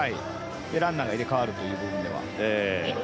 ランナーが入れ代わるという部分では。